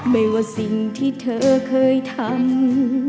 ไม่ว่าสิ่งที่เธอเคยทำ